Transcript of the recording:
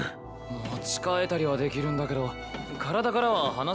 持ち替えたりはできるんだけど体からは離せないみたいで。